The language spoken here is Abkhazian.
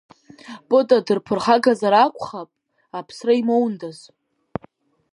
Пыта дырԥырхагазар акәхап, аԥсра имоундаз!